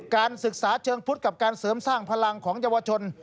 การศึกษาเชิงพุทธกับการเสริมสร้างพลังของเยาวชน